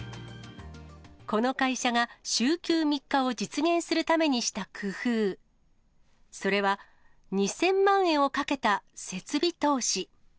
この会社が週休３日を実現するためにした工夫、それは、２０００万円をかけた設備投資。